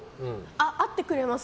会ってくれます